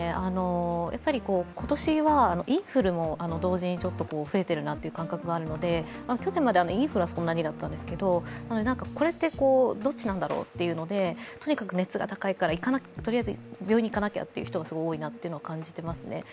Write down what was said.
今年はインフルも同時に増えているなっていう感覚があるので去年まではインフルはそんなにだったんですけどこれって、どっちなんだろうというので、とにかく、熱が高いからとりあえず病院に行かなきゃっていう方が、すごい多いなというのは感じていますね。